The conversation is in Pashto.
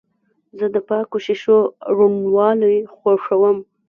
زه د پاکو شیشو روڼوالی خوښوم.